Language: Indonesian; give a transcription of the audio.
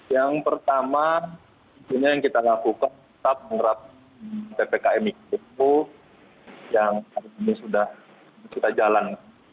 yang pertama ini yang kita lakukan tetap menerap ppkm itu yang sudah kita jalan